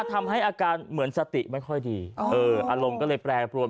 ทำให้อาการเหมือนสติไม่ค่อยดีเอออารมณ์ก็เลยแปรปรวน